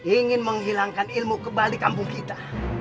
ingin menghilangkan ilmu kebal di kampung kita